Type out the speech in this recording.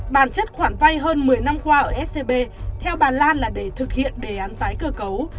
bản chất khoản vay hơn một mươi năm qua ở scb theo bà lan là để thực hiện đề án tái cơ cấu